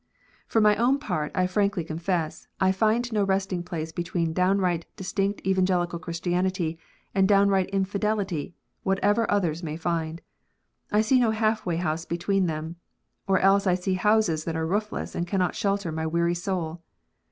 For my own part, I frankly confess, I find no resting place between downright distinct Evangelical Christianity and down right infidelity, whatever others may find. I see no half way house between them ; or else I see houses that are roofless and cannot shelter my weary soul.